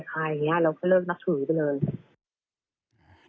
เราก็เลิกนักถือกันเลย